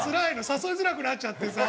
誘いづらくなっちゃってさ。